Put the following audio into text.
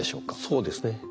そうですね。